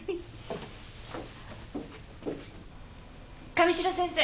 神代先生。